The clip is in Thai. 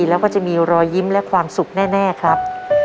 แล้วก็จะมีรอยยิ้มและความสุขแน่ครับ